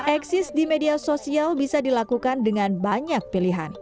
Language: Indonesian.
eksis di media sosial bisa dilakukan dengan banyak pilihan